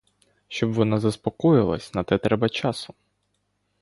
Щоб вона заспокоїлась, на те треба часу.